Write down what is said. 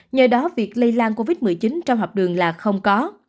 nhờ đó việc lây lan covid một mươi chín trong học đường là không có